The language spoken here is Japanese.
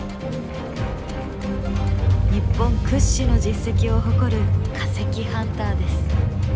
日本屈指の実績を誇る化石ハンターです。